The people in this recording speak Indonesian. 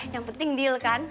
yang penting deal kan